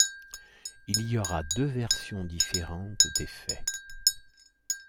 Il y aura deux versions différentes des faits.